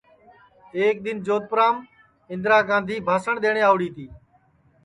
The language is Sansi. ایک دِؔن جودپُورام اِندرا گاندھی بھاسٹؔ دؔیٹؔیں آؤڑی تی